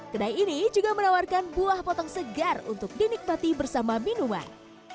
kedai ini juga menawarkan buah potong segar untuk dinikmati bersama minuman